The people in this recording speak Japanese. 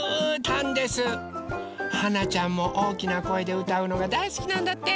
はなちゃんもおおきなこえでうたうのがだいすきなんだって！